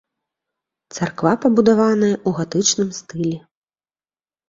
Царква пабудаваная ў гатычным стылі.